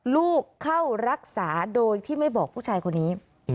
ลูกเข้ารักษาโดยที่ไม่บอกผู้ชายคนนี้